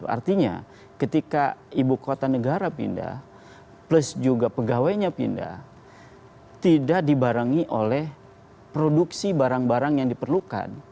artinya ketika ibu kota negara pindah plus juga pegawainya pindah tidak dibarengi oleh produksi barang barang yang diperlukan